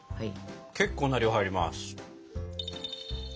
結構な量入ります。